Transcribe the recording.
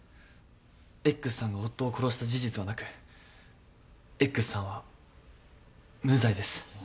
Ｘさんが夫を殺した事実はなくＸさんは無罪です。